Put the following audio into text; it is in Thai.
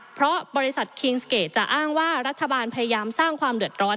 เพราะบริษัทคิงสเกตจะอ้างว่ารัฐบาลพยายามสร้างความเดือดร้อน